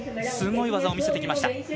すごい技を見せてきました。